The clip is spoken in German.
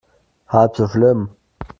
Halb so schlimm.